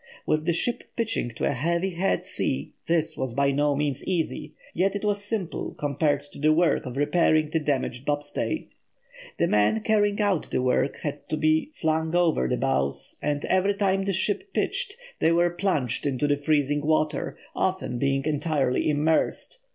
With the ship pitching to a heavy head sea, this was by no means easy, yet it was simple compared to the work of repairing the damaged bobstay. The men carrying out this work had to be slung over the bows, and every time the ship pitched, they were plunged into the freezing water, often being entirely immersed.